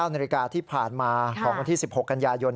นาฬิกาที่ผ่านมาของวันที่๑๖กันยายน